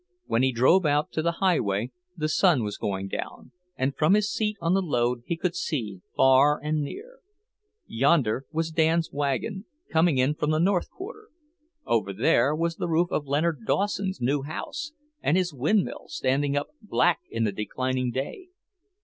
When he drove out to the highway, the sun was going down, and from his seat on the load he could see far and near. Yonder was Dan's wagon, coming in from the north quarter; over there was the roof of Leonard Dawson's new house, and his windmill, standing up black in the declining day.